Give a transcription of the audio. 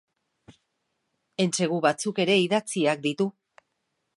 Entsegu batzuk ere idatziak ditu.